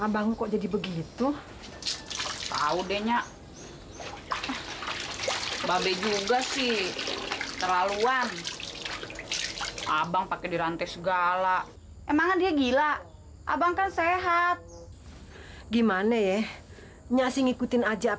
sampai jumpa di video selanjutnya